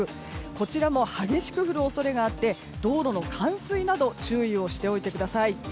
こちらも激しく降る恐れがあって道路の冠水など注意しておいてください。